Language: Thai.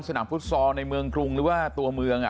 ฟุตซอลในเมืองกรุงหรือว่าตัวเมือง